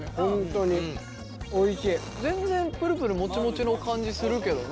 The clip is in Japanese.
全然プルプルもちもちの感じするけどね。